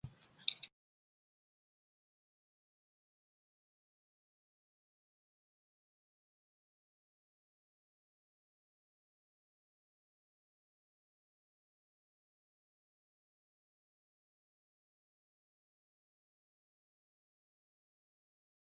Ububiko bugurisha inyama n amafi cedric niwe wabivuze